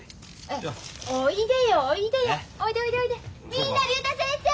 みんな竜太先生！